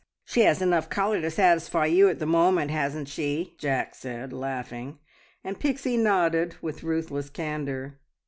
"She has enough colour to satisfy you at the moment, hasn't she?" Jack said, laughing, and Pixie nodded with ruthless candour.